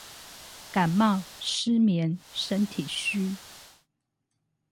感冒、失眠、身體虛